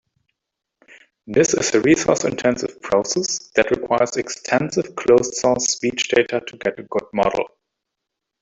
This is a resource-intensive process that requires expensive closed-source speech data to get a good model.